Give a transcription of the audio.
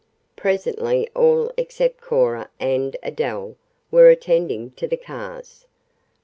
Presently all except Cora and Adele were attending to the cars.